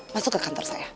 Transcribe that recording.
masuk ke kantor saya